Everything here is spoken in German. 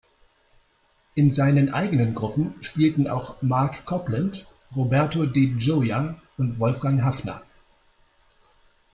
In seinen eigenen Gruppen spielten auch Marc Copland, Roberto di Gioia und Wolfgang Haffner.